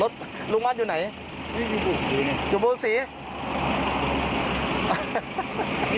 รถลูกมันอยู่ไหนนี่อยู่บุญศรีเนี้ยอยู่บุญศรี